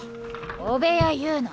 汚部屋言うな。